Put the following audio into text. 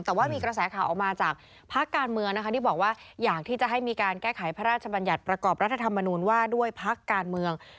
แต่ว่ามีกระแสข่าวออกมาจากพักการเมืองนะคะที่บอกว่าอยากที่จะให้มีการแก้ไขพระราชบัญญัติประกอบรัฐธรรมนูญว่าด้วยพักการเมือง